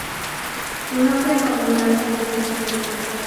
Su nombre común hace alusión a su llamada.